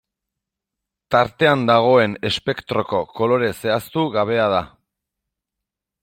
Tartean dagoen espektroko kolore zehaztu gabea da.